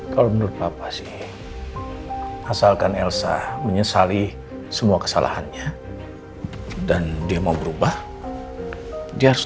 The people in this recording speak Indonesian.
kalau menurut bapak sih asalkan elsa menyesali semua kesalahannya dan dia mau berubah dia harus